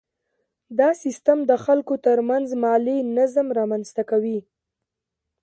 دا سیستم د خلکو ترمنځ مالي نظم رامنځته کوي.